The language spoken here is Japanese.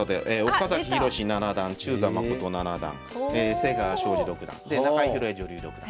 岡崎洋七段中座真七段瀬川晶司六段で中井広恵女流六段。